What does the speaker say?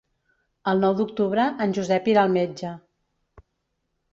El nou d'octubre en Josep irà al metge.